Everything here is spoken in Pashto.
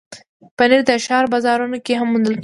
پنېر د ښار بازارونو کې هم موندل کېږي.